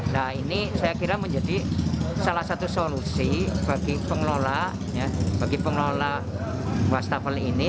nah ini saya kira menjadi salah satu solusi bagi pengelola washtafel ini